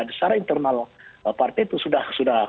secara internal partai itu sudah